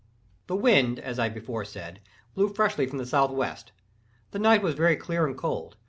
The wind, as I before said, blew freshly from the southwest. The night was very clear and cold.